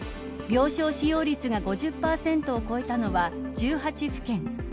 病床使用率が５０％を超えたのは１８府県。